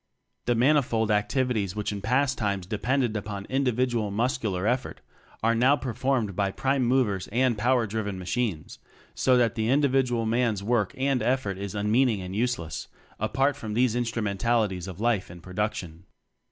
The manifold activities which in past times depended upon individual muscular effort are now performed by prime movers and power driven machines, so that the individual man's work and effort is unmeaning and useless apart from these instrumentalities of life and production.